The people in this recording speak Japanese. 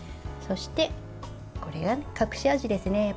そして、これは隠し味ですね。